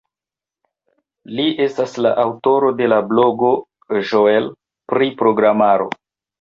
Li estas la aŭtoro de la blogo "Joel pri Programaro".